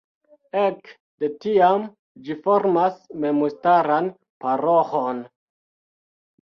Ek de tiam ĝi formas memstaran paroĥon.